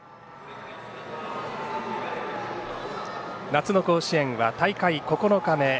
夏の甲子園は大会９日目。